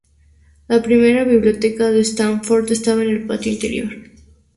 La primera biblioteca de Stanford estaba en el patio interior.